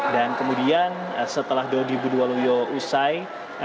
dan kemudian setelah dodi budiwaluyo usai